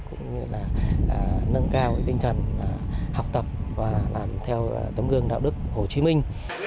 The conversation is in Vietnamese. cũng như là nâng cao tinh thần học tập và làm theo tấm gương đạo đức hồ chí minh